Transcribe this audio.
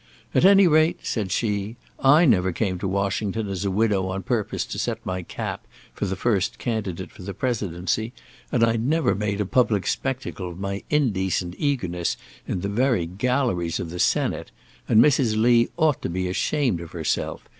"At any rate," said she, "I never came to Washington as a widow on purpose to set my cap for the first candidate for the Presidency, and I never made a public spectacle of my indecent eagerness in the very galleries of the Senate; and Mrs. Lee ought to be ashamed of herself.